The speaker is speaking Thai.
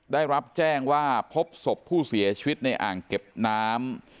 ได้รับแจ้งว่าพบศพผู้เสียชีวิตในอ่างเก็บน้ำ